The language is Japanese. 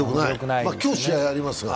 今日試合ありますが。